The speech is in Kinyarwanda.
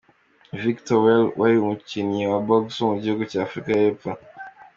Vic Toweel, wari umukinnyi wa Box wo mu gihugu cya Afurika y’Epfo.